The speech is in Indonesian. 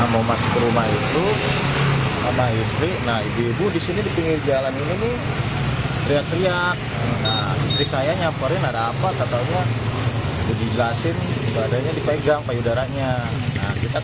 warga berharap pelaku segera ditangkap agar tidak meresahkan masyarakat